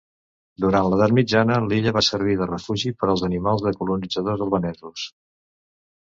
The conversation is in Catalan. Durant l'edat mitjana, l'illa va servir de refugi per als animals dels colonitzadors albanesos.